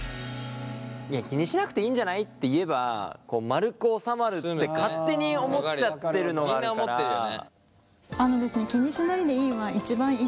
いや気にしなくていいんじゃない？って言えばまるく収まるって勝手に思っちゃってるのがあるから。